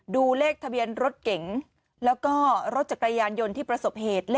ดูเลขทะเบียนรถเก๋งแล้วก็รถจักรยานยนต์ที่ประสบเหตุ